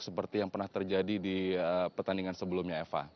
seperti yang pernah terjadi di pertandingan sebelumnya eva